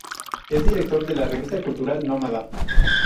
Es director de la revista cultural Nómada.